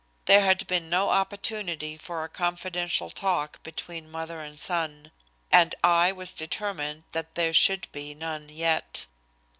There had been no opportunity for a confidential talk between mother and son. And I was determined that there should be none yet.